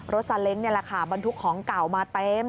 ซาเล้งนี่แหละค่ะบรรทุกของเก่ามาเต็ม